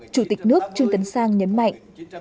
chủ tịch nước trương tấn sang nhấn mạnh